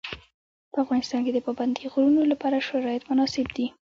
په افغانستان کې د پابندي غرونو لپاره شرایط مناسب دي.